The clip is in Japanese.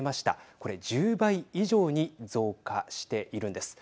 これ１０倍以上に増加しているんです。